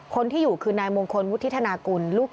คนที่อยู่คือนายมงคลวุฒิธนากุล